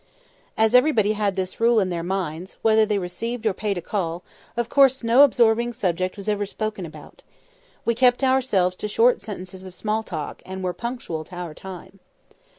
As everybody had this rule in their minds, whether they received or paid a call, of course no absorbing subject was ever spoken about. We kept ourselves to short sentences of small talk, and were punctual to our time.